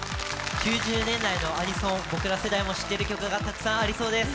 ９０年代のアニソン、僕ら世代も知ってる曲がありそうです。